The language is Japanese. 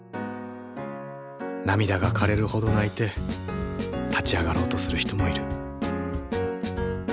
涙が枯れるほど泣いて立ち上がろうとする人もいる。